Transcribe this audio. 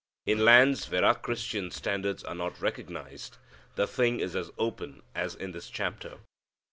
In lands where our Christian standards are not recognized the thing is as open as in this chapter.